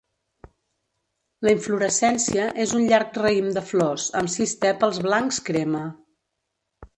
La inflorescència és un llarg raïm de flors amb sis tèpals blancs crema.